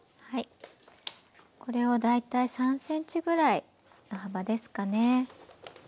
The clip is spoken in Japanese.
これを大体３ｃｍぐらいの幅ですかね。